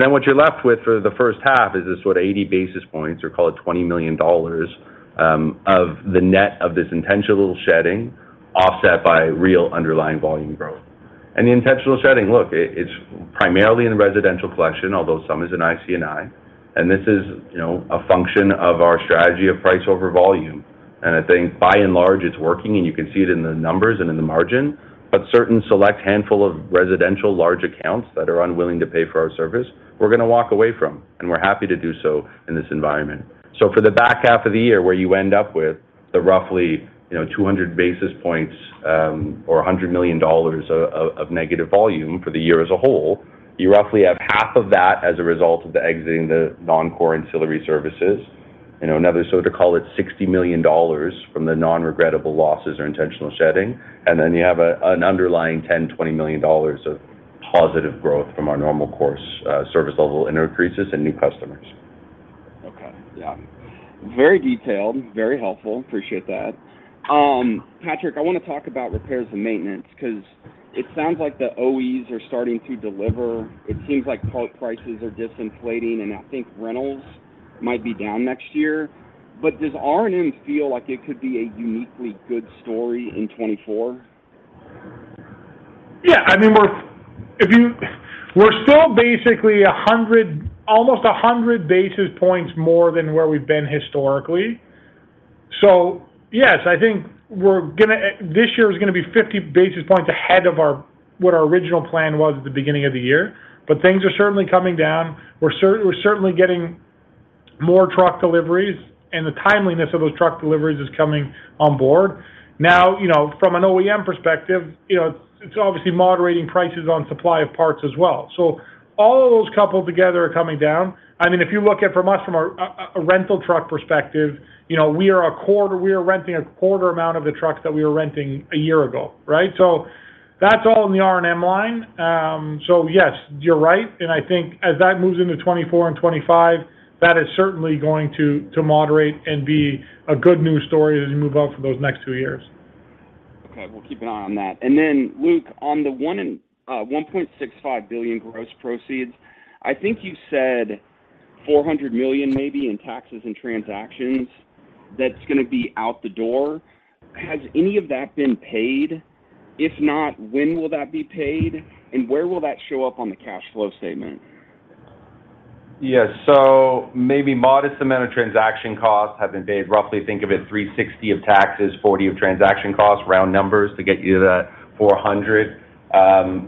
What you're left with for the first half is this sort of 80 basis points, or call it $20 million, of the net of this intentional shedding, offset by real underlying volume growth. The intentional shedding, look, it's primarily in residential collection, although some is in IC&I. This is, you know, a function of our strategy of price over volume. I think by and large, it's working, and you can see it in the numbers and in the margin. Certain select handful of residential large accounts that are unwilling to pay for our service, we're going to walk away from, and we're happy to do so in this environment. For the back half of the year, where you end up with the roughly, you know, 200 basis points, or $100 million of negative volume for the year as a whole, you roughly have half of that as a result of the exiting the non-core ancillary services. You know, another, so to call it $60 million from the non-regrettable losses or intentional shedding. You have an underlying $10 million-$20 million of positive growth from our normal course service level increases and new customers. Okay. Yeah. Very detailed, very helpful. Appreciate that. Patrick, I want to talk about repairs and maintenance, because it sounds like the OEs are starting to deliver. It seems like part prices are disinflating, and I think rentals might be down next year. Does R&M feel like it could be a uniquely good story in 2024? I mean, we're still basically 100, almost 100 basis points more than where we've been historically. Yes, I think this year is going to be 50 basis points ahead of our, what our original plan was at the beginning of the year. Things are certainly coming down. We're certainly getting more truck deliveries, and the timeliness of those truck deliveries is coming on board. You know, from an OEM perspective, you know, it's obviously moderating prices on supply of parts as well. All of those coupled together are coming down. I mean, if you look at from us, from a rental truck perspective, you know, we are renting a quarter amount of the trucks that we were renting a year ago, right? That's all in the R&M line. Yes, you're right, and I think as that moves into 2024 and 2025, that is certainly going to moderate and be a good news story as we move on for those next two years. Okay, we'll keep an eye on that. Luke, on the $1.65 billion gross proceeds, I think you said $400 million maybe in taxes and transactions that's going to be out the door. Has any of that been paid? If not, when will that be paid, and where will that show up on the cash flow statement? Yes, maybe modest amount of transaction costs have been paid. Roughly, think of it, $360 of taxes, $40 of transaction costs, round numbers to get you to that $400.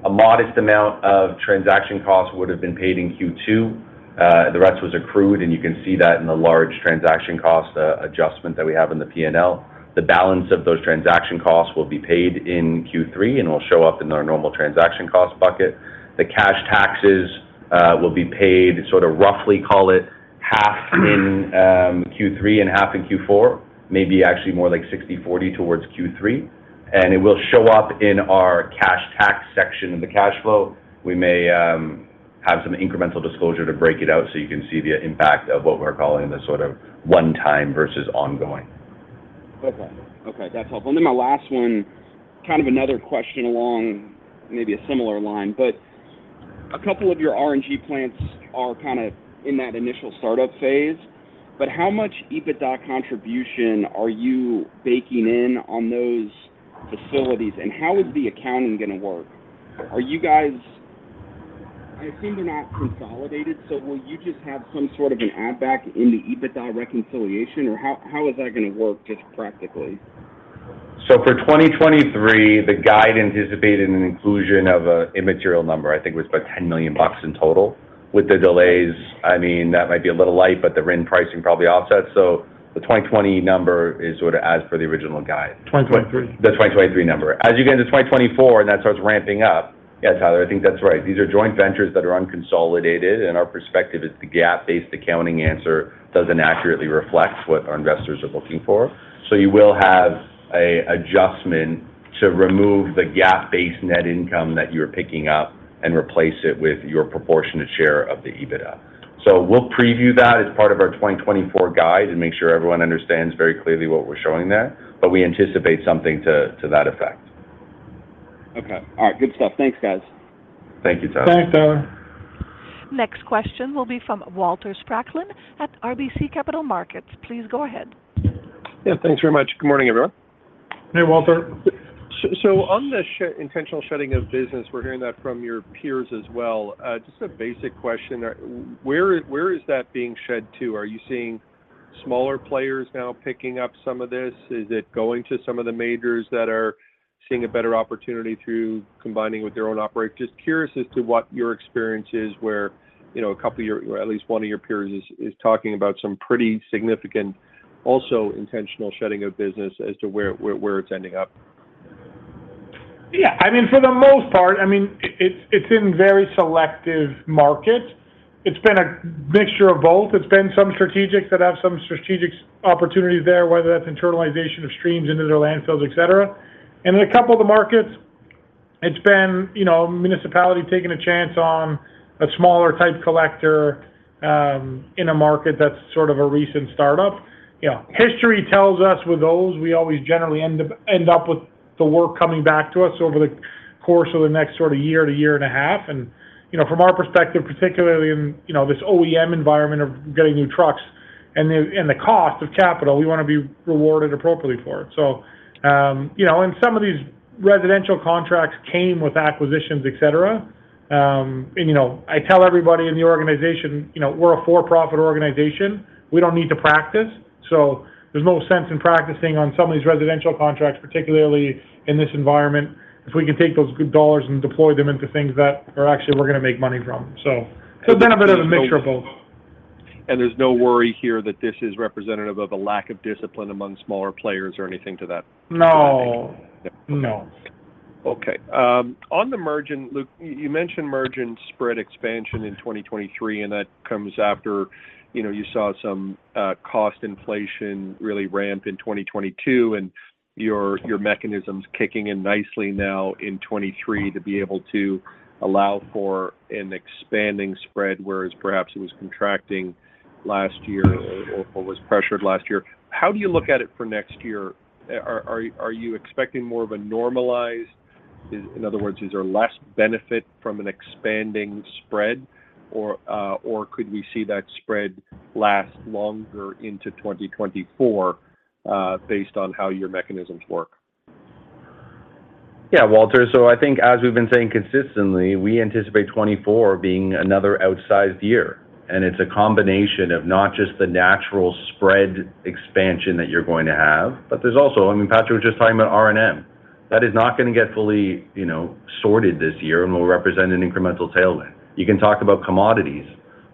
A modest amount of transaction costs would have been paid in Q2. The rest was accrued, and you can see that in the large transaction cost adjustment that we have in the PNL. The balance of those transaction costs will be paid in Q3 and will show up in our normal transaction cost bucket. The cash taxes will be paid, sort of roughly call it half in Q3 and half in Q4, maybe actually more like 60/40 towards Q3. It will show up in our cash tax section of the cash flow. We may have some incremental disclosure to break it out so you can see the impact of what we're calling the sort of one-time versus ongoing. Okay. Okay, that's helpful. My last one, kind of another question along maybe a similar line, but a couple of your RNG plants are kind of in that initial startup phase, but how much EBITDA contribution are you baking in on those facilities, and how is the accounting going to work? I assume they're not consolidated, so will you just have some sort of an add back in the EBITDA reconciliation, or how is that going to work just practically? For 2023, the guide anticipated an inclusion of an immaterial number. I think it was about $10 million in total. With the delays, I mean, that might be a little light, but the RIN pricing probably offsets. The 2020 number is sort of as per the original guide. 2023. The 2023 number. As you get into 2024, that starts ramping up, yeah, Tyler, I think that's right. These are joint ventures that are unconsolidated, and our perspective is the GAAP-based accounting answer doesn't accurately reflect what our investors are looking for. You will have a adjustment to remove the GAAP-based net income that you're picking up and replace it with your proportionate share of the EBITDA. We'll preview that as part of our 2024 guide and make sure everyone understands very clearly what we're showing there, but we anticipate something to that effect. Okay. All right. Good stuff. Thanks, guys. Thank you, Tyler. Thanks, Tyler. Next question will be from Walter Spracklin at RBC Capital Markets. Please go ahead. Yeah, thanks very much. Good morning, everyone. Hey, Walter. On the intentional shedding of business, we're hearing that from your peers as well. Just a basic question: Where is that being shed to? Are you seeing smaller players now picking up some of this? Is it going to some of the majors that are seeing a better opportunity through combining with their own operate? Just curious as to what your experience is, where, you know, a couple of your, or at least one of your peers is talking about some pretty significant, also intentional shedding of business as to where it's ending up. Yeah, I mean, for the most part, I mean, it's in very selective markets. It's been a mixture of both. It's been some strategics that have some strategic opportunities there, whether that's internalization of streams into their landfills, et cetera. In a couple of the markets, it's been, you know, municipality taking a chance on a smaller type collector, in a market that's sort of a recent startup. You know, history tells us with those, we always generally end up with the work coming back to us over the course of the next sort of year to year and a half. From our perspective, particularly in, you know, this OEM environment of getting new trucks and the cost of capital, we want to be rewarded appropriately for it. You know, and some of these residential contracts came with acquisitions, et cetera. You know, I tell everybody in the organization, "You know, we're a for-profit organization. We don't need to practice." There's no sense in practicing on some of these residential contracts, particularly in this environment, if we can take those good dollars and deploy them into things that are actually, we're going to make money from. It's been a bit of a mixture of both. There's no worry here that this is representative of a lack of discipline among smaller players or anything- No.... to that effect? No. Okay. On the margin, Luke, you mentioned margin spread expansion in 2023, that comes after, you know, you saw some cost inflation really ramp in 2022, and your mechanism's kicking in nicely now in 2023 to be able to allow for an expanding spread, whereas perhaps it was contracting last year or was pressured last year. How do you look at it for next year? Are you expecting more of a normalized... In other words, is there less benefit from an expanding spread, or could we see that spread last longer into 2024, based on how your mechanisms work? Yeah, Walter. I think as we've been saying consistently, we anticipate 2024 being another outsized year, and it's a combination of not just the natural spread expansion that you're going to have, but there's also, I mean, Patrick was just talking about R&M. That is not going to get fully, you know, sorted this year and will represent an incremental tailwind. You can talk about commodities.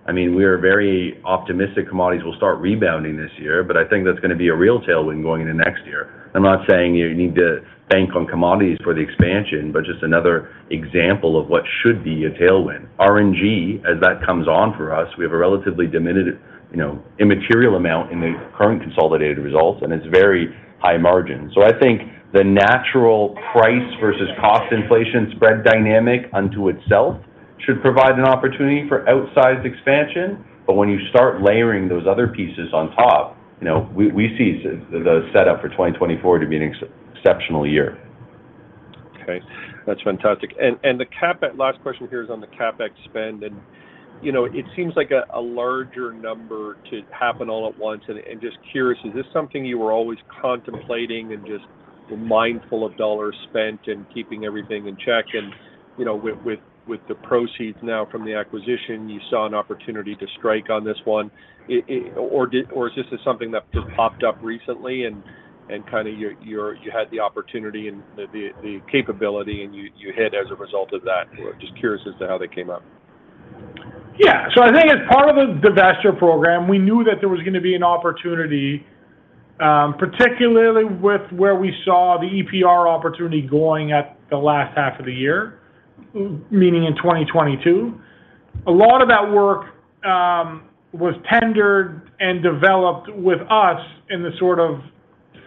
I mean, we are very optimistic commodities will start rebounding this year, but I think that's going to be a real tailwind going into next year. I'm not saying you need to bank on commodities for the expansion, but just another example of what should be a tailwind. RNG, as that comes on for us, we have a relatively diminished, you know, immaterial amount in the current consolidated results, and it's very high margin. I think the natural price versus cost inflation spread dynamic unto itself should provide an opportunity for outsized expansion. When you start layering those other pieces on top, you know, we see the setup for 2024 to be an exceptional year. Okay. That's fantastic. The CapEx Last question here is on the CapEx spend, and, you know, it seems like a, a larger number to happen all at once. Just curious, is this something you were always contemplating and just mindful of dollars spent and keeping everything in check? You know, with the proceeds now from the acquisition, you saw an opportunity to strike on this one, or did Is this just something that just popped up recently and kind of your, you had the opportunity and the capability, and you hit as a result of that? Just curious as to how that came up. I think as part of the divestiture program, we knew that there was going to be an opportunity, particularly with where we saw the EPR opportunity going at the last half of the year, meaning in 2022. A lot of that work was tendered and developed with us in the sort of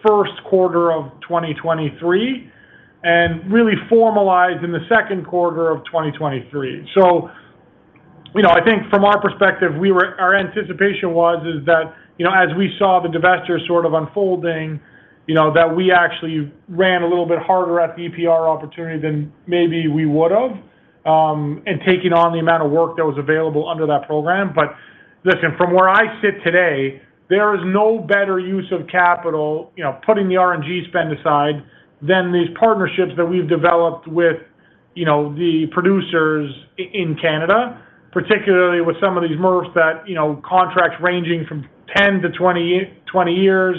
first quarter of 2023, and really formalized in the 2nd quarter of 2023. You know, I think from our perspective, our anticipation was, is that, you know, as we saw the divestiture sort of unfolding, you know, that we actually ran a little bit harder at the EPR opportunity than maybe we would've, in taking on the amount of work that was available under that program. Listen, from where I sit today, there is no better use of capital, you know, putting the RNG spend aside, than these partnerships that we've developed with, you know, the producers in Canada, particularly with some of these MRFs that, you know, contracts ranging from 10-20 years,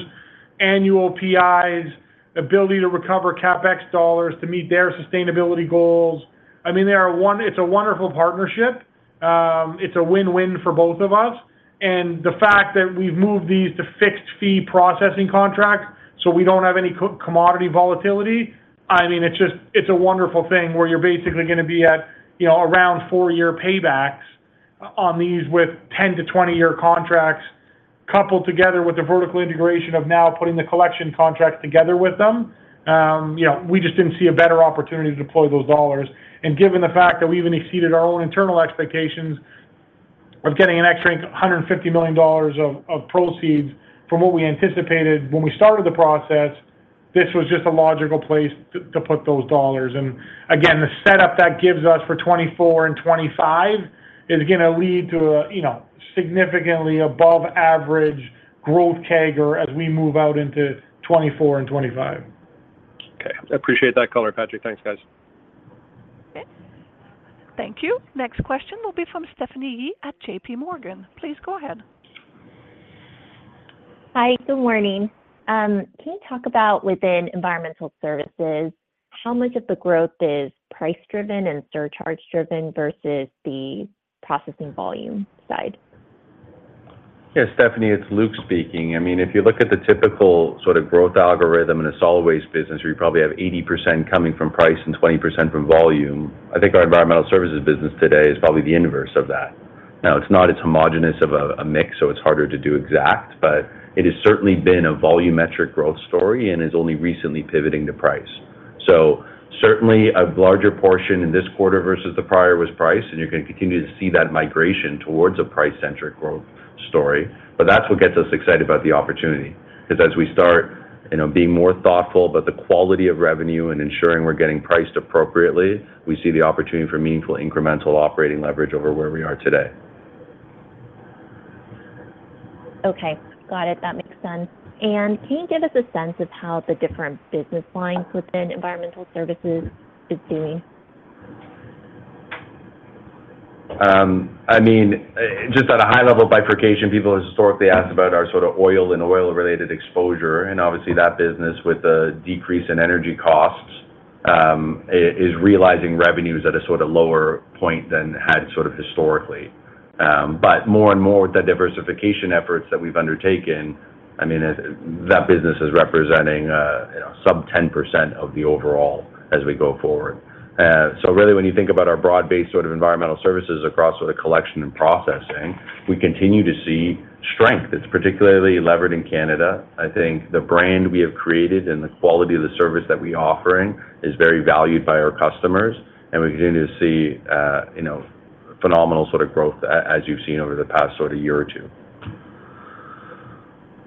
annual PIs, ability to recover CapEx dollars to meet their sustainability goals. I mean, it's a wonderful partnership. It's a win-win for both of us. The fact that we've moved these to fixed fee processing contracts, so we don't have any co-commodity volatility, I mean, it's just, it's a wonderful thing where you're basically going to be at, you know, around four-year paybacks on these with 10-20-year contracts, coupled together with the vertical integration of now putting the collection contracts together with them. You know, we just didn't see a better opportunity to deploy those dollars. Given the fact that we even exceeded our own internal expectations, we of getting an extra $150 million of proceeds from what we anticipated when we started the process, this was just a logical place to put those dollars. Again, the setup that gives us for 2024 and 2025 is going to lead to a, you know, significantly above average growth CAGR as we move out into 2024 and 2025. Okay. I appreciate that color, Patrick. Thanks, guys. Okay. Thank you. Next question will be from Stephanie Yee at JPMorgan. Please go ahead. Hi, good morning. Can you talk about within environmental services, how much of the growth is price-driven and surcharge-driven versus the processing volume side? Yeah, Stephanie Yee, it's Luke Pelosi speaking. I mean, if you look at the typical sort of growth algorithm in a solid waste business, we probably have 80% coming from price and 20% from volume. I think our environmental services business today is probably the inverse of that. It's not as homogeneous of a mix, so it's harder to do exact, but it has certainly been a volumetric growth story and is only recently pivoting to price. Certainly, a larger portion in this quarter versus the prior was price, and you're going to continue to see that migration towards a price-centric growth story. That's what gets us excited about the opportunity, because as we start, you know, being more thoughtful about the quality of revenue and ensuring we're getting priced appropriately, we see the opportunity for meaningful incremental operating leverage over where we are today. Okay. Got it. That makes sense. Can you give us a sense of how the different business lines within Environmental Services is doing? Just at a high-level bifurcation, people have historically asked about our sort of oil and oil-related exposure, and obviously, that business, with the decrease in energy costs, is realizing revenues at a sort of lower point than it had sort of historically. But more and more, with the diversification efforts that we've undertaken, that business is representing, you know, sub 10% of the overall as we go forward. Really, when you think about our broad-based sort of environmental services across sort of collection and processing, we continue to see strength. It's particularly levered in Canada. I think the brand we have created and the quality of the service that we're offering is very valued by our customers. We continue to see, you know, phenomenal sort of growth as you've seen over the past sort of year or two.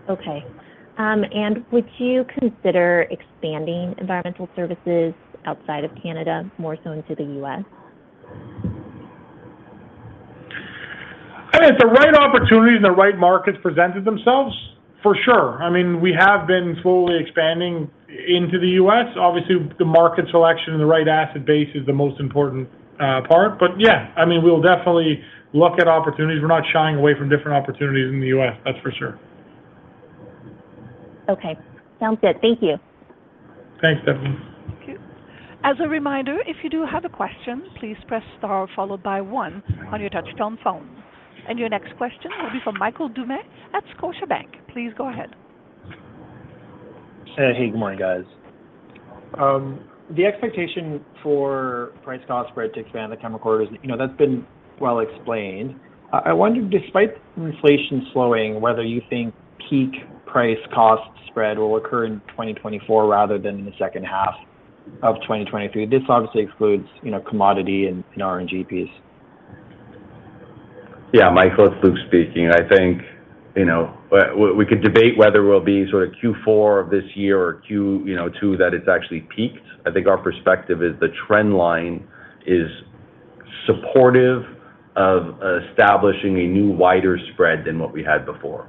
Okay. would you consider expanding environmental services outside of Canada, more so into the U.S.? I mean, if the right opportunity and the right markets presented themselves, for sure. I mean, we have been slowly expanding into the U.S.. Obviously, the market selection and the right asset base is the most important part, yeah, I mean, we'll definitely look at opportunities. We're not shying away from different opportunities in the U.S., that's for sure. Okay. Sounds good. Thank you. Thanks, Stephanie. Thank you. As a reminder, if you do have a question, please press star followed by 1 on your touchtone phone. Your next question will be from Michael Doumet at Scotiabank. Please go ahead. Hey, good morning, guys. The expectation for price cost spread to expand in the coming quarters, you know, that's been well explained. I wonder, despite inflation slowing, whether you think peak price cost spread will occur in 2024 rather than in the second half of 2023. This obviously excludes, you know, commodity and RNG piece. Yeah, Michael, it's Luke speaking. I think, you know, we could debate whether we'll be sort of Q4 of this year or Q2, that it's actually peaked. I think our perspective is the trend line is supportive of establishing a new wider spread than what we had before,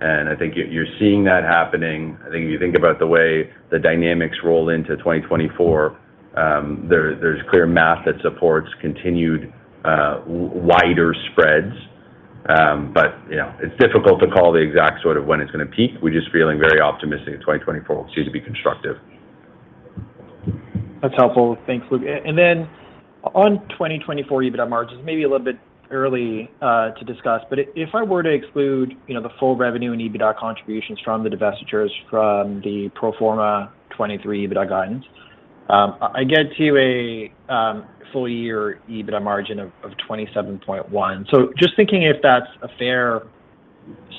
and I think you're seeing that happening. I think if you think about the way the dynamics roll into 2024, there's clear math that supports continued wider spreads. You know, it's difficult to call the exact sort of when it's going to peak. We're just feeling very optimistic that 2024 will continue to be constructive. That's helpful. Thanks, Luke. Then on 2024 EBITDA margins, maybe a little bit early to discuss, but if I were to exclude, you know, the full revenue and EBITDA contributions from the divestitures from the pro forma 2023 EBITDA guidance, I get to a full year EBITDA margin of 27.1. Just thinking if that's a fair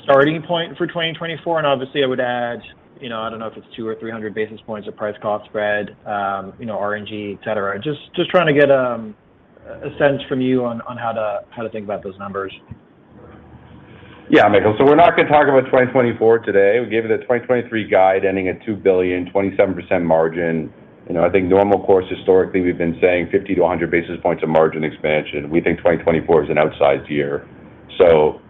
starting point for 2024, obviously, I would add, you know, I don't know if it's 200 or 300 basis points of price cost spread, you know, RNG, et cetera. Just trying to get a sense from you on how to think about those numbers. Michael, we're not going to talk about 2024 today. We gave you the 2023 guide ending at $2 billion, 27% margin. You know, I think normal course, historically, we've been saying 50-100 basis points of margin expansion. We think 2024 is an outsized year.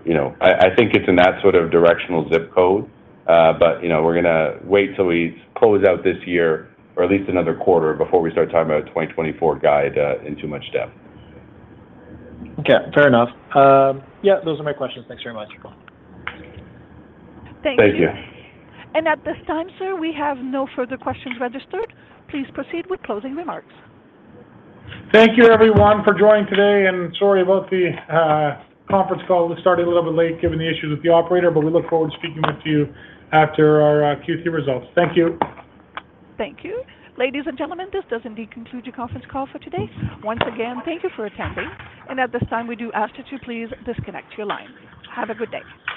You know, I, I think it's in that sort of directional zip code, but, you know, we're going to wait till we close out this year or at least another quarter before we start talking about 2024 guide in too much depth. Fair enough. Yeah, those are my questions. Thanks very much. Thank you. Thank you. At this time, Sir, we have no further questions registered. Please proceed with closing remarks. Thank you, everyone, for joining today. Sorry about the conference call. We started a little bit late given the issues with the operator. We look forward to speaking with you after our Q3 results. Thank you. Thank you. Ladies and gentlemen, this does indeed conclude your conference call for today. Once again, thank you for attending, and at this time, we do ask that you please disconnect your line. Have a good day.